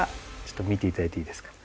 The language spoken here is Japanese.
見ていただいていいですか？